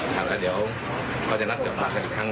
ถังแล้วเดี๋ยวเขาจะนัดจอบราศน์อีกทาง